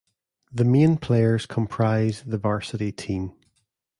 The main players comprise the varsity team.